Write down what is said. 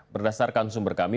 berdasarkan sumber kami